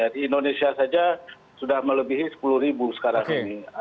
di indonesia saja sudah melebihi sepuluh ribu sekarang ini